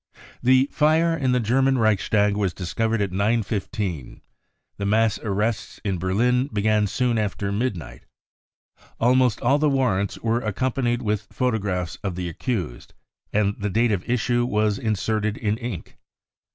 The fire in the German Reichstag was discovered at 9. 15. The mass arrests in Berlin began soon after midnight. Almost all the warrants were accompanied with photo graphs of the accused, and the date of issue was inserted in ink.